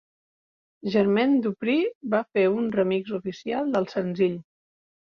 Jermaine Dupri va fer un remix oficial del senzill.